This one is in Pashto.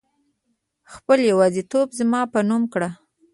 خپل يوازيتوب زما په نوم کړه